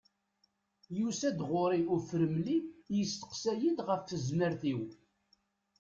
Yusa-d ɣur-i ufremli yesteqsa-yid ɣef tezmert-iw.